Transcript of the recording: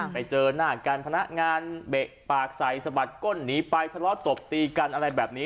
ไปเจอหน้ากันพนักงานเบะปากใส่สะบัดก้นหนีไปทะเลาะตบตีกันอะไรแบบนี้